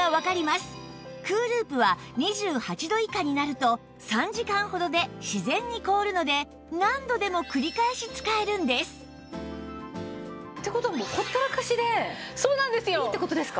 ＣＯＯＬＯＯＰ は２８度以下になると３時間ほどで自然に凍るので何度でも繰り返し使えるんですって事はもうほったらかしでいいって事ですか？